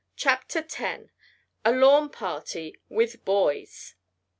CHAPTER X A LAWN PARTY "WITH BOYS!"